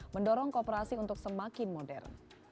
mendorong kooperasi untuk semakin modern